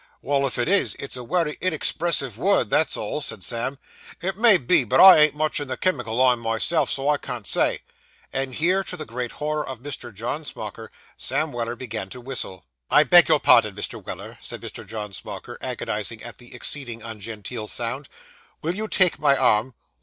'Well, if it is, it's a wery inexpressive word, that's all,' said Sam. 'It may be, but I ain't much in the chimical line myself, so I can't say.' And here, to the great horror of Mr. John Smauker, Sam Weller began to whistle. 'I beg your pardon, Mr. Weller,' said Mr. John Smauker, agonised at the exceeding ungenteel sound, 'will you take my arm?